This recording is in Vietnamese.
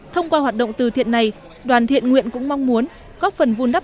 thông qua hoạt động từ thiện này đoàn thiện nguyện cũng mong muốn góp phần vun đắp